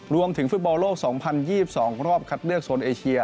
รวมถึงฟุตบอลโลก๒๐๒๒รอบคัดเลือกโซนเอเชีย